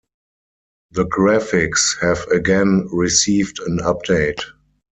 The graphics have again received an update.